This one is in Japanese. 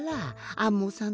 アンモさん。